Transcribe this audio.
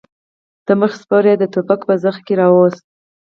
د مخې سپور يې د ټوپک په زخه کې راووست.